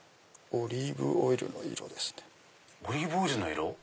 オリーブオイルの色？